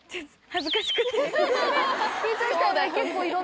恥ずかしくて。